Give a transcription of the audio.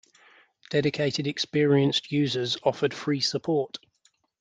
Dedicated experienced users offered free support.